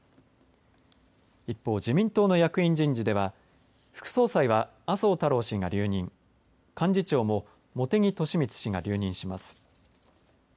一方、自民党の役員人事では副総裁は麻生太郎氏が留任幹事長も茂木敏充氏が留任します。